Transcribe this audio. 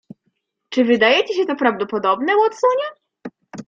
"Czy wydaje ci się to prawdopodobne, Watsonie?"